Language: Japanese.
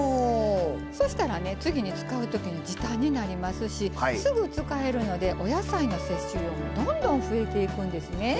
そしたらね次に使う時に時短になりますしすぐ使えるのでお野菜の摂取量もどんどん増えていくんですね。